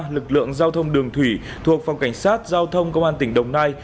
lực lượng giao thông đường thủy thuộc phòng cảnh sát giao thông công an tỉnh đồng nai